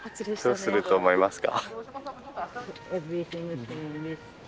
どうすると思いますか。